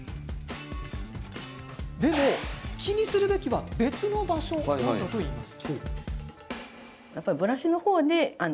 でも、気にするべきは別の場所なんだといいます。